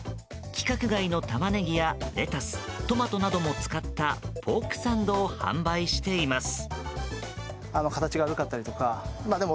規格外のタマネギやレタス、トマトなども使ったポークサンドを販売しています。